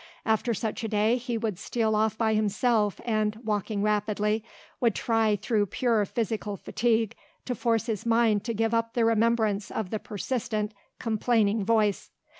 After such a day he would steal off by himself and, walking rapidly, would try through pure physical fatigue to force his mind to give up the remembrance of the persistent, complaining voice.